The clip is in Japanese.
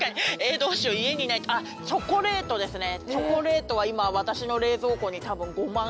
あっチョコレートは今え！